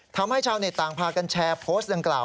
ทำให้ชาวเน็ตต่างพากันแชร์โพสต์ดังกล่าว